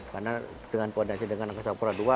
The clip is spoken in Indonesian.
karena dengan koordinasi dengan angkasa pura ii